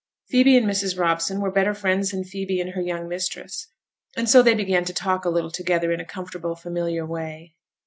Phoebe and Mrs. Robson were better friends than Phoebe and her young mistress; and so they began to talk a little together in a comfortable, familiar way.